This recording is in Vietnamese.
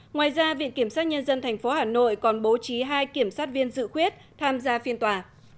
ngoài ra viện kiểm sát nhân dân thành phố hà nội còn bố trí hai kiểm sát viên dự quyết tham gia phiên tòa